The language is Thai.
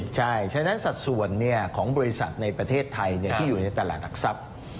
ใช่ฉะนั้นสัดส่วนของบริษัทในประเทศไทยที่อยู่ในตลาดหลักทรัพย์